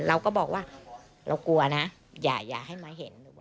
เราก็บอกว่าเรากลัวนะอย่าให้มาเห็น